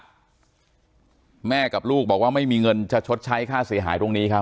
แม่กับลูกบอกว่าไม่มีเงินจะชดใช้ค่าเสียหายตรงนี้ครับ